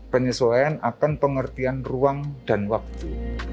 penyesuaian akan pengertian ruang dan waktu